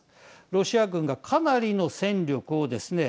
ロシア軍がかなりの戦力をですね